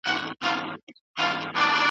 چي یې وکتل پر کټ باندي څوک نه وو `